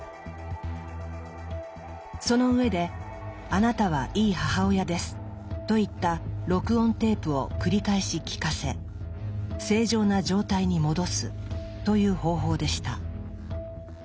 その上で「あなたは良い母親です」といった録音テープを繰り返し聞かせ正常な状態に戻すという方法でした。